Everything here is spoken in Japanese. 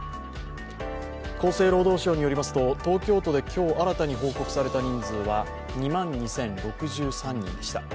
厚生労働省によりますと東京都で今日、新たに報告された人数は２万２０６３人でした。